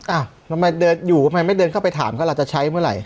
อ้าวทำไมเดินอยู่ทำไมไม่เดินเข้าไปถามเขาเราจะใช้เมื่อไหร่